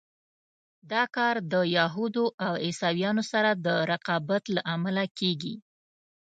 دا کار د یهودو او عیسویانو سره د رقابت له امله کېږي.